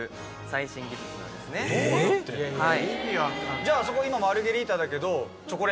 じゃああそこ今マルゲリータだけど。